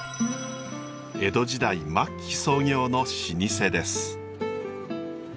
江戸時代末期創業の老舗です。